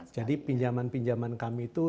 jadi pinjaman pinjaman kami itu